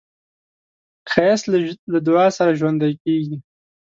ښایست له دعا سره ژوندی کېږي